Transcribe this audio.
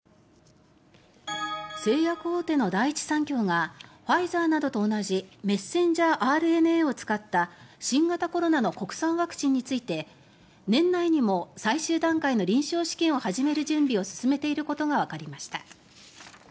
製薬大手の第一三共がファイザーなどと同じメッセンジャーＲＮＡを使った新型コロナの国産ワクチンについて年内にも最終段階の臨床試験を始める準備を進めていることがわかりました。